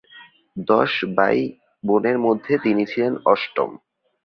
দশ ভাই বোনের মধ্যে তিনি ছিলেন অষ্টম।